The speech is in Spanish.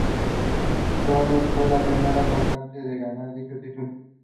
Dumont fue la primera cantante de ganar dicho título.